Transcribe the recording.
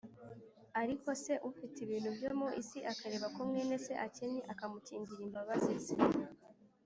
Ariko se ufite ibintu byo mu isi, akareba ko mwene Se akennye akamukingira imbabazi ze,